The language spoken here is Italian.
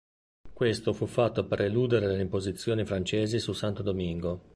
Questo fu fatto per eludere le imposizioni francesi su Santo Domingo.